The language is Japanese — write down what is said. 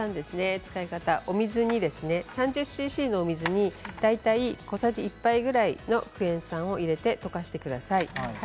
３０ｃｃの水に小さじ１杯ぐらいのクエン酸を入れて溶かしてください。